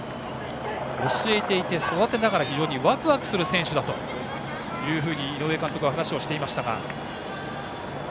教えていて育てながら非常にワクワクする選手だと井上監督は話をしていましたが。